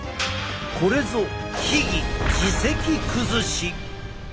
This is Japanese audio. これぞ秘技耳石崩し！